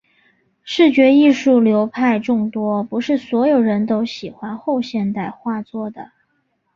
视觉艺术流派众多，不是所有人都喜欢后现代画作的。